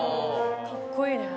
かっこいいね。